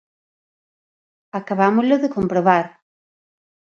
Acabámolo de comprobar.